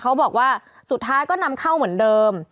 เขาบอกว่าสุดท้ายก็นำเข้าเหมือนเดิม